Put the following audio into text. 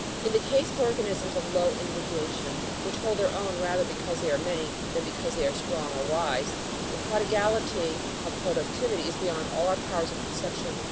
In the case of organ isms of low individuation, which hold their own rather because they are many than because they are strong or wise, the prodi gality of productivity is beyond all our powers of conception.